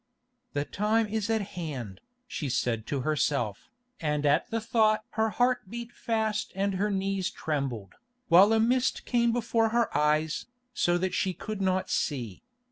"The time is at hand," she said to herself, and at the thought her heart beat fast and her knees trembled, while a mist came before her eyes, so that she could not see.